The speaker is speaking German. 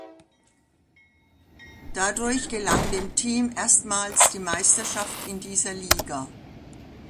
Dadurch gelang dem Team erstmals die Meisterschaft in dieser Liga.